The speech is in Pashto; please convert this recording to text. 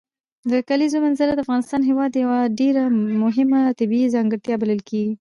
د کلیزو منظره د افغانستان هېواد یوه ډېره مهمه طبیعي ځانګړتیا بلل کېږي.